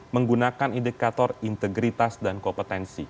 menggunakan indikator integritas dan kompetensi